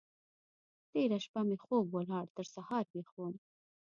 تېره شپه مې خوب ولاړ؛ تر سهار ويښ وم.